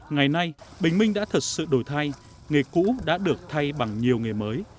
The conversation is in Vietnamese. ngày nay bình minh đã thật sự đổi thay nghề cũ đã được thay bằng nhiều nghề mới